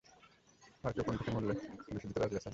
আর কেউ ফোন থেকে মুল্যে বেশি দিতে রাজি আছেন?